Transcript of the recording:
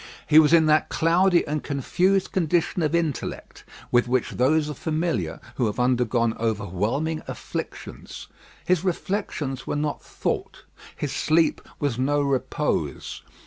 He was in that cloudy and confused condition of intellect with which those are familiar who have undergone overwhelming afflictions. His reflections were not thought, his sleep was no repose.